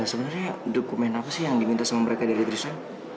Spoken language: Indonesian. sebenarnya dokumen apa sih yang diminta sama mereka dari diri saya